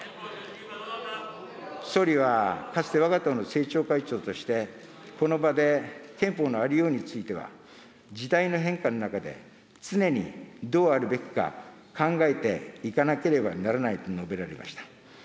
総理はかつてわが党の政調会長として、この場で憲法のありようについては時代の変化の中で、常にどうあるべきか考えていかなければならないと述べられました。